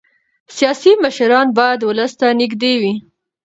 سیاسي مشران باید ولس ته نږدې وي